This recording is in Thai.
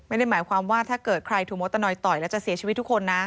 ไม่ได้หมายความว่าถ้าเกิดใครถูกมดตะนอยต่อยแล้วจะเสียชีวิตทุกคนนะ